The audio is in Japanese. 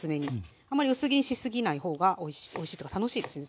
あんまり薄切りにしすぎないほうがおいしいというか楽しいですね